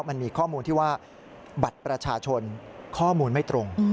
มันมีข้อมูลที่ว่าบัตรประชาชนข้อมูลไม่ตรง